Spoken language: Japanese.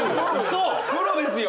プロですよ！